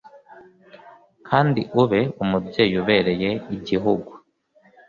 kandi ube umubyeyi ubereye igihugu.